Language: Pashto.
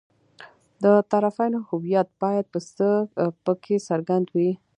د طرفینو هویت باید په کې څرګند وي.